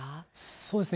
そうですね。